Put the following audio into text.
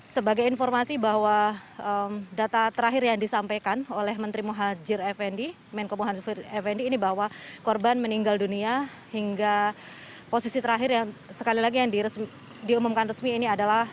sebagai informasi bahwa data terakhir yang disampaikan oleh menteri mohadjir fnd menko mohadjir fnd ini bahwa korban meninggal dunia hingga posisi terakhir yang sekali lagi yang diumumkan resmi ini adalah satu ratus tiga puluh orang